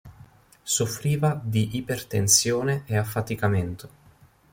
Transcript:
Soffriva di ipertensione e affaticamento.